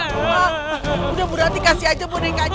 emak udah bu ranti kasih aja bonekanya